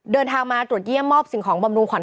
เดินทางมาตรวจเยี่ยมมอบสิ่งของบำรุงขวั